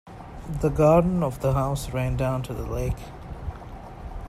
The garden of the house ran down to the lake.